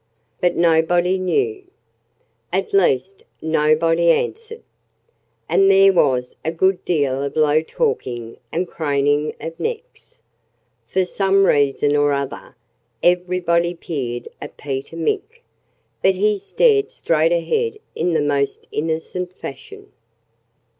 But nobody knew. At least, nobody answered. And there was a good deal of low talking and craning of necks. For some reason or other, everybody peered at Peter Mink. But he stared straight ahead in the most innocent fashion.